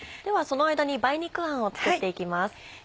その間に梅肉あんを作って行きます。